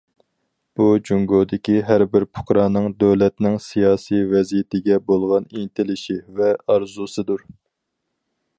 بۇ جۇڭگودىكى ھەربىر پۇقرانىڭ دۆلەتنىڭ سىياسىي ۋەزىيىتىگە بولغان ئىنتىلىشى ۋە ئارزۇسىدۇر.